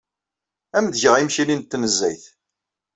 Ad am-d-geɣ imekli n tnezzayt.